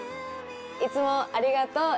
いつもありがとう